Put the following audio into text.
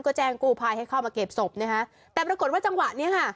ก็แจ้งกู้ภัยให้เข้ามาเก็บศพนะคะแต่ปรากฏว่าจังหวะเนี้ยค่ะ